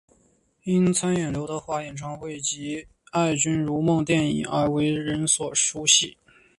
因参演刘德华演唱会及爱君如梦电影而为人所熟悉。